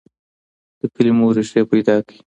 د کلمو ريښې پيدا کړئ.